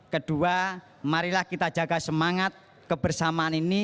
kedua marilah kita jaga semangat kebersamaan ini